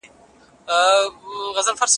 حضرت عمر بن خطاب تر مځکي لاندي آرام دی.